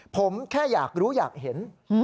ผมแค่อยากรู้อยากเห็น